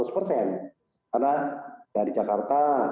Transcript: karena dari jakarta